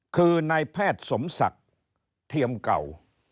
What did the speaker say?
คือนายแพทย์สมศักดิ์เทียมเก่า